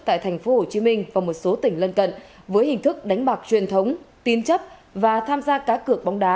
tại tp hcm và một số tỉnh lân cận với hình thức đánh bạc truyền thống tín chấp và tham gia cá cược bóng đá